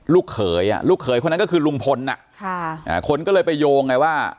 ลูกเขยอ่ะลูกเขยคนนั้นก็คือลุงพลน่ะค่ะอ่าคนก็เลยไปโยงไงว่า